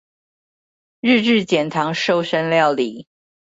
日日減醣瘦身料理